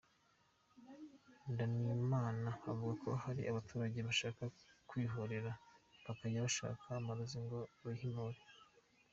Ndamyimana avuga ko hari abaturage bashaka kwihorera bakajya gushaka amarozi ngo bihimure.